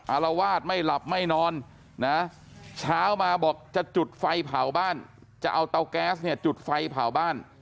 อารวาสไม่หลับไม่นอนนะเช้ามาบอกจะจุดไฟเผาบ้านจะเอาเตาแก๊สเนี่ยจุดไฟเผาบ้าน